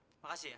terima kasih ya